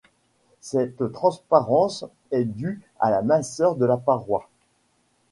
Cette transparence est due à la minceur de la paroi.